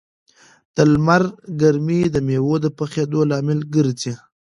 د لمر ګرمي د مېوو د پخېدو لامل ګرځي.